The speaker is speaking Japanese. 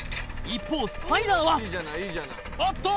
一方スパイダーはおっと！